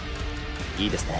いいですね